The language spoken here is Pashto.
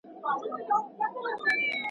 تاريخي خواړه بیا ګرمول کېدل.